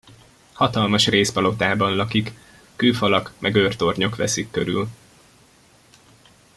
Hatalmas rézpalotában lakik, kőfalak meg őrtornyok veszik körül.